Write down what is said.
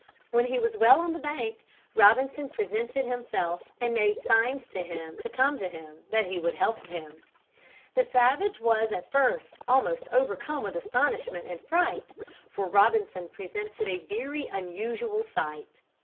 When he was well on the bank, Robinson presented himself and made signs to him to come to him and he would help him. The savage was at first almost overcome with astonishment and fright, for Robinson presented a very unusual sight.